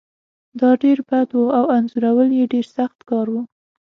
دا ډیر بد و او انځورول یې سخت کار و